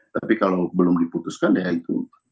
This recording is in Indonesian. tapi kalau belum diputuskan ya itu